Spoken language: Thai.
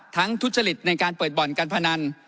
ทุจริตในการเปิดบ่อนการพนัน